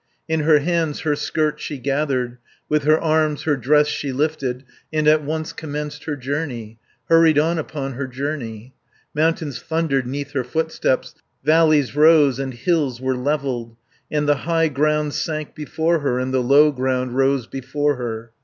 In her hands her skirt she gathered, With her arms her dress she lifted, 50 And at once commenced her journey, Hurried on upon her journey. Mountains thundered 'neath her footsteps, Valleys rose and hills were levelled, And the high ground sank before her, And the low ground rose before her.